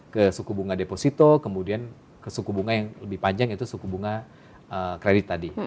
ke suku bunga deposito kemudian ke suku bunga yang lebih panjang yaitu suku bunga kredit tadi